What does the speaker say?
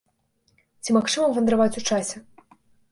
Ці магчыма вандраваць у часе?